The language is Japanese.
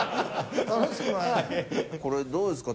これどうですか？